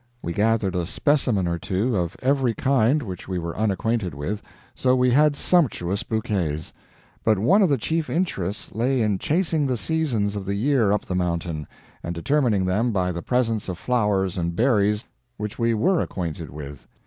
We gathered a specimen or two of every kind which we were unacquainted with; so we had sumptuous bouquets. But one of the chief interests lay in chasing the seasons of the year up the mountain, and determining them by the presence of flowers and berries which we were acquainted with.